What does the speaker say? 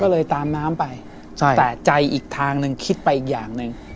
ก็เลยตามน้ำไปใช่แต่ใจอีกทางหนึ่งคิดไปอีกอย่างหนึ่ง